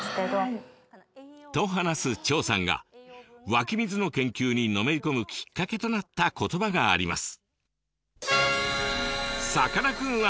と話す張さんが湧き水の研究にのめり込むきっかけとなった言葉があります。